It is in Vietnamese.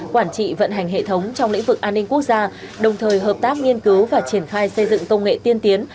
quản trị vận hành hệ thống trong lĩnh vực an ninh quốc gia đồng thời hợp tác nghiên cứu và triển khai xây dựng công nghệ tiên tiến